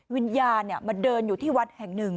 วิญญาณมาเดินอยู่ที่วัดแห่งหนึ่ง